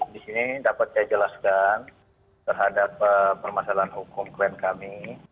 di sini dapat saya jelaskan terhadap permasalahan hukum klien kami